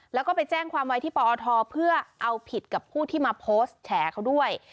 แล้วก็ไปแจ้งความไว้ที่ปอทเพื่อเอาผิดกับผู้ที่มาโพสต์แฉเขาด้วย